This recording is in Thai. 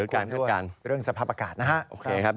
ขอบคุณด้วยเรื่องสภาพอากาศนะครับ